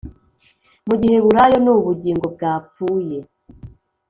Mu giheburayo ni ubugingo bwapfuye